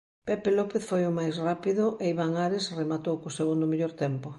Pepe López foi o máis rápido e Iván Ares rematou co segundo mellor tempo.